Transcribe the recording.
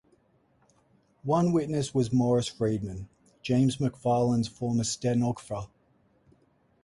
One witness was Morris Friedman, James McParland's former stenographer.